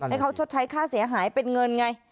ให้เขาชดใช้ค่าเสียหายเป็นเงินไง